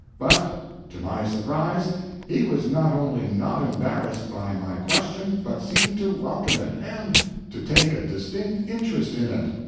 But, to my surprise, he was not only not embarrassed by my question, but seemed to welcome it, and to take a distinct interest in it.